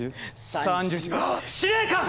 ３１あっ司令官！